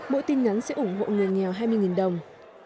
mỗi tin nhắn sẽ ủng hộ người nghèo hai mươi đồng